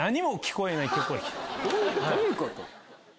どういうこと？